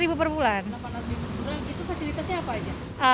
rp delapan ratus per bulan itu fasilitasnya apa aja